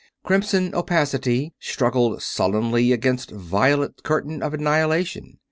Crimson opacity struggled sullenly against violet curtain of annihilation.